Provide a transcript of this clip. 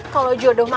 kalau jodoh mak